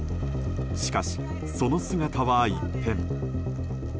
しかし、その姿は一変。